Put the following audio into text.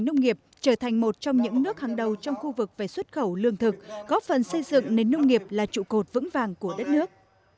nông nghiệp trở thành một trong những nước hàng đầu trong khu vực về xuất khẩu lương thực góp phần xây dựng nền nông nghiệp là trụ cột vững vàng của đất nước